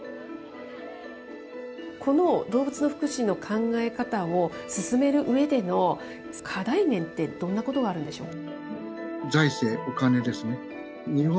この動物の福祉の考え方を進めるうえでの課題面って、どんなことがあるんでしょう。